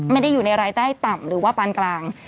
ไม่ได้อยู่ในรายได้ต่ำหรือว่าปานกลาง